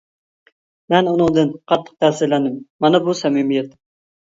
مەن ئۇنىڭدىن قاتتىق تەسىرلەندىم، مانا بۇ سەمىمىيەت.